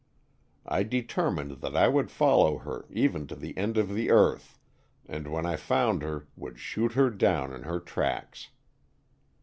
I determined that I would follow her even to the end of the earth, and when I found her would shoot her down in her tracks.